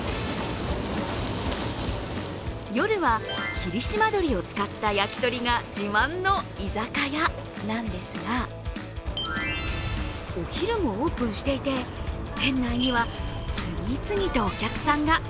夜は霧島鶏を使った焼鳥が自慢の居酒屋なんですがお昼もオープンしていて、店内には次々とお客さんが。